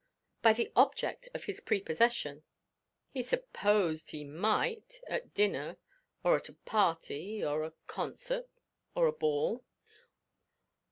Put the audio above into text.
By the object of his prepossession? He supposed he might, at dinner, or at a party, or a concert or a ball.